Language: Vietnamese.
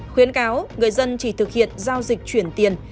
khuyến cáo người dân chỉ thực hiện giao dịch chuyển tiền